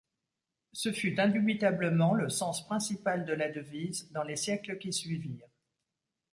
Ce fut indubitablement le sens principal de la devise dans les siècles qui suivirent.